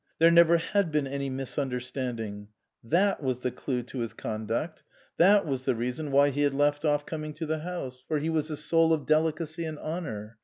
There never had been any misunderstanding. That was the clue to his conduct ; that was the reason why he had left off coming to the house ; for he was the soul of delicacy and honour.